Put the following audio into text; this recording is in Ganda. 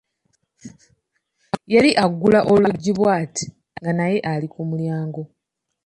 Yali aggula olujji bw'ati nga naye ali ku mulyango.